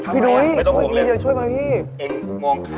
พี่โรย